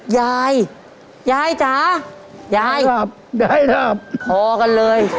ยายยายจ๋ายายได้ทราบได้ทราบพอกันเลย